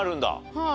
はい。